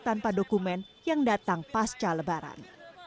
tanpa dokumen yang datang pasca lebaran